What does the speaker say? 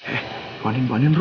eh bantuin bantuin bro